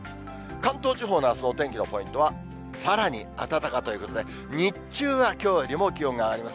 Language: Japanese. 関東地方のあすのお天気のポイントは、さらに暖かということで、日中はきょうよりも気温が上がります。